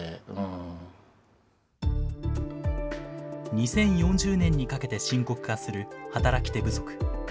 ２０４０年にかけて深刻化する働き手不足。